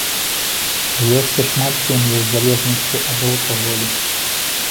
У вёсцы шмат сем'яў з залежнасцю ад алкаголю.